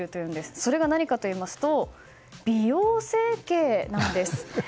それが何かと言いますと美容整形なんです。